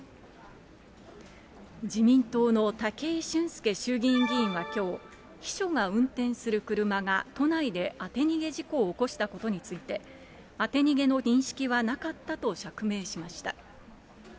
自民党の武井俊輔衆議院議員はきょう、秘書が運転する車が都内で当て逃げ事故を起こしたことについて、当て逃げの認識はなかったと釈明しました。